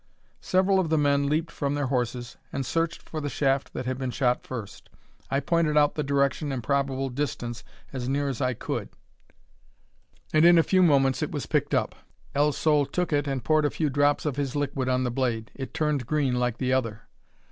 Several of the men leaped from their horses, and searched for the shaft that had been shot first. I pointed out the direction and probable distance as near as I could, and in a few moments it was picked up. El Sol took it, and poured a few drops of his liquid on the blade. It turned green like the other.